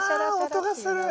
あ音がする。